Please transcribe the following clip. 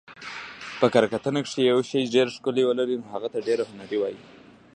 په کره کتنه کښي، چي یوشي ډېره ښکله ولري نو هغه ته ډېر هنري وايي.